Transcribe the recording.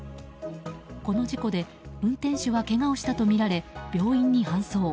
この事故で運転手はけがをしたとみられ病院に搬送。